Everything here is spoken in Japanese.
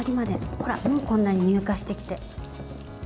ほら、もうこんなに乳化してきて。